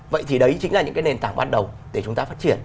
vậy thì đấy chính là những cái nền tảng ban đầu để chúng ta phát triển